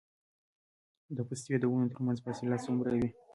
د پستې د ونو ترمنځ فاصله څومره وي؟